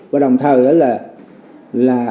và đồng thời là